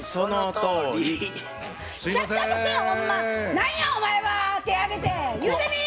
何やお前は手挙げて言うてみ！